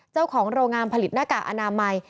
เจ้าของโรงงานผลิตหน้ากากอนามัย